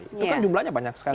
itu kan jumlahnya banyak sekali